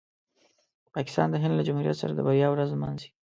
پاکستان د هند له جمهوریت سره د بریا ورځ نمانځي.